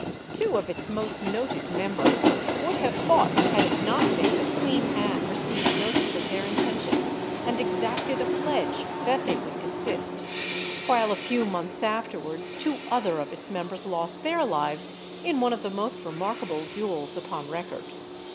Two of its most noted members would have fought had it not been that Queen Anne received notice of their intention, and exacted a pledge that they would desist; while a few months afterwards two other of its members lost their lives in one of the most remarkable duels upon record.